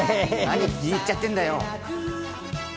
何気に入っちゃってんだよ！